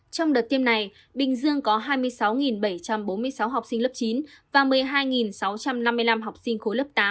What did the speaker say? trong đợt tiêm này bình dương có hai mươi sáu bảy trăm bốn mươi sáu học sinh lớp chín và một mươi hai sáu trăm năm mươi năm học sinh khối lớp tám